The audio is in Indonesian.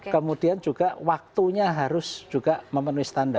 kemudian juga waktunya harus juga memenuhi standar